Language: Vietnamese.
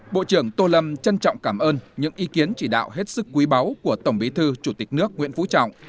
bộ trưởng tô lâm trân trọng cảm ơn những ý kiến chỉ đạo hết sức quý báu của tổng bí thư chủ tịch nước nguyễn phú trọng